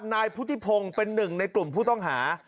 นายพุทธิพงศ์เป็นหนึ่งในกลุ่มผู้ต้องหา